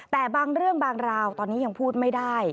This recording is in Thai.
แต่บางเรื่องบางราวตอนนี้ยังพูดไม่ได้